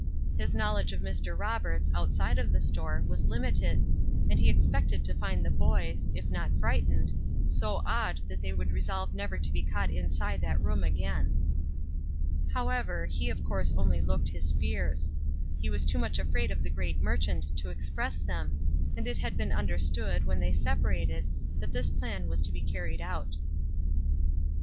His knowledge of Mr. Roberts, outside of the store, was limited, and he expected to find the boys, if not frightened, so awed that they would resolve never to be caught inside that room again. However, he of course only looked his fears. He was too much afraid of the great merchant to express them, and it had been understood, when they separated, that this plan was to be carried out.